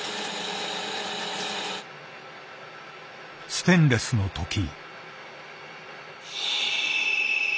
ステンレスのとき。